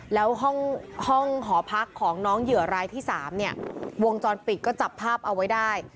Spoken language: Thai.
แล้วห้องหอพักของน้องเหยื่อรายที่๓เนี่ยวงจรปิดก็จับภาพเอาไว้ได้